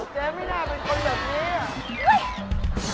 เจ๊ไม่น่าเป็นคนอย่างนี้